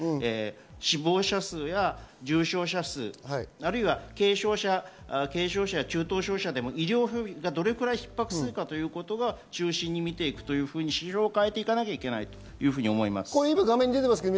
死亡者数や重症者数、あるいは軽症者や中等症者でも医療がどれだけ逼迫するかというのを中心に見ていくというふうに指標を変えていかなきゃいけないと思います。